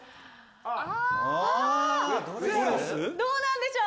あぁ！どうなんでしょう？